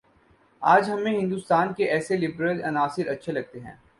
آج ہمیں ہندوستان کے ایسے لبرل عناصر اچھے لگتے ہیں